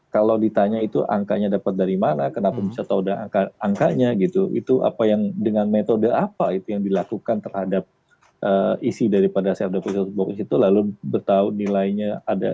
kalau ditanya itu angkanya dapat dari mana kenapa bisa tahu angkanya gitu itu apa yang dengan metode apa itu yang dilakukan terhadap isi daripada self depresial box itu lalu bertahun nilainya ada